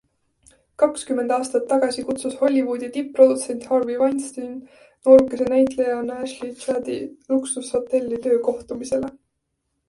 Kakskümmend aastat tagasi kutsus Hollywoodi tipp-produtsent Harvey Weinstein noorukese näitlejanna Ashley Juddi luksushotelli töökohtumisele.